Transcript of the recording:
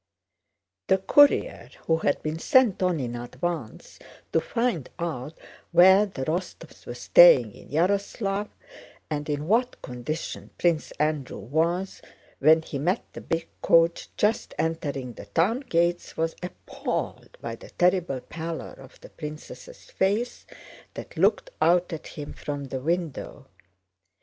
The courier who had been sent on in advance to find out where the Rostóvs were staying in Yaroslávl, and in what condition Prince Andrew was, when he met the big coach just entering the town gates was appalled by the terrible pallor of the princess' face that looked out at him from the window.